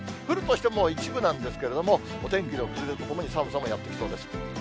降るとしても一部なんですけれども、お天気の崩れとともに、寒さもやってきそうです。